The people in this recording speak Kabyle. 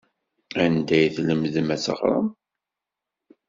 Anda ay tlemdem ad teɣrem?